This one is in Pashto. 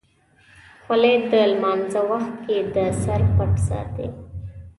خولۍ د لمانځه وخت کې د سر پټ ساتي.